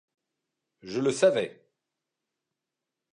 Je le savais!